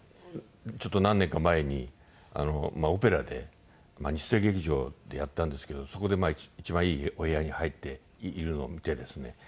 ちょっと何年か前にオペラで日生劇場でやったんですけどそこで一番いいお部屋に入っているのを見てですね